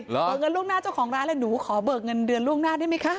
เบิกเงินล่วงหน้าเจ้าของร้านเลยหนูขอเบิกเงินเดือนล่วงหน้าได้ไหมคะ